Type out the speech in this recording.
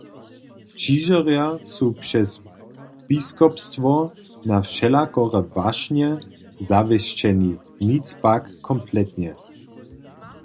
Křižerjo su přez biskopstwo na wšelakore wašnje zawěsćeni, nic pak kompletnje.